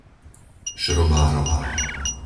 Šrobárová